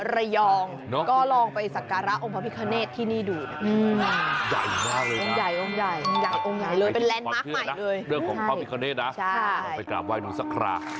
เรื่องของพระพิธีเบิกเนธนะเราไปกราบไว้นึงสักคราฮะ